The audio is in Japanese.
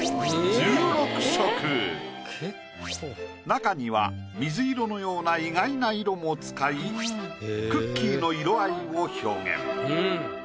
なかには水色のような意外な色も使いクッキーの色合いを表現。